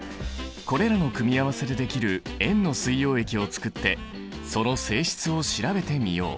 これらの組み合わせでできる塩の水溶液をつくってその性質を調べてみよう。